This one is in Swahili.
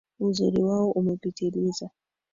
Uzuri wao umepiliza